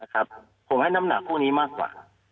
ครับผมให้น้ำหนาครูนี้มากกว่า